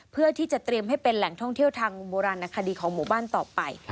เพื่อที่จะเตรียมให้เป็นแหล่งท่องเที่ยวทางโบราณคดีของหมู่บ้านต่อไป